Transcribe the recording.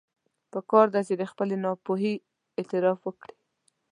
پکار ده چې د خپلې ناپوهي اعتراف وکړي.